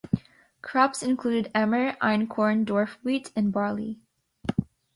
Crops included emmer, einkorn, dwarf wheat, and barley.